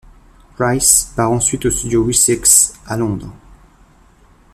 Price part ensuite aux studios Wessex, à Londres.